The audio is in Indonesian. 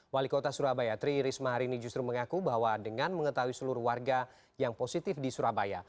wali kota surabaya tri risma hari ini justru mengaku bahwa dengan mengetahui seluruh warga yang positif di surabaya